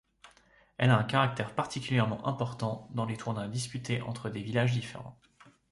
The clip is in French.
Elle a un caractère particulièrement important dans les tournois disputés entre des villages différents.